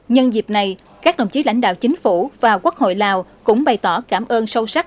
nhân dịp này các đồng chí lãnh đạo chính phủ và quốc hội lào cũng bày tỏ cảm ơn sâu sắc